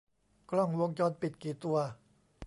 กล้องวงจรปิดกี่ตัว